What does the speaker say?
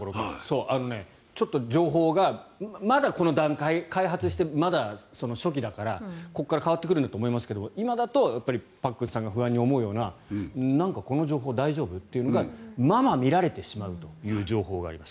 ちょっと情報がまだこの段階、開発してまだ初期だからここから変わってくるんだと思いますが今だとパックンさんが不安に思うようななんかこの情報大丈夫？というのがまま見られてしまうという情報があります。